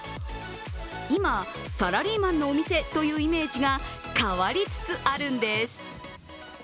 今、サラリーマンのお店というイメージが変わりつつあるんです。